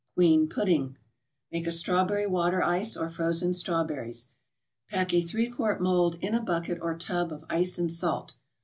QUEEN PUDDING Make a Strawberry Water Ice or Frozen Strawberries. Pack a three quart mold in a bucket or tub of ice and salt.